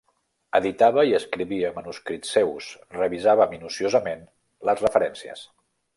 Editava i escrivia manuscrits seus, revisava minuciosament les referències.